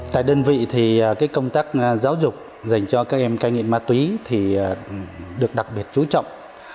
tại đơn vị thì công tác giáo dục dành cho các em cai nghiện ma túy thì được đặc biệt chú trọng